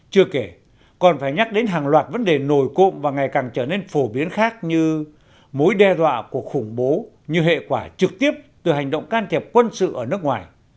chưa kể còn phải nhắc đến hàng loạt vấn đề nổi cộng và ngày càng trở nên phổ biến khác như mối đe dọa của khủng bố như hệ quả trực tiếp từ hành động can thiệp quân sự ở nước ngoài